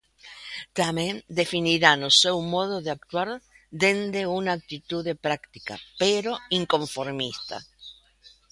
Tamén definirán o seu modo de actuar, dende unha actitude práctica pero inconformista.